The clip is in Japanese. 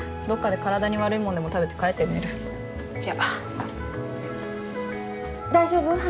どっかで体に悪いもんでも食べて帰って寝るじゃあ大丈夫？